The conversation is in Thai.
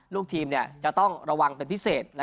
ลูกทีมจะต้องระวังเป็นพิเศษ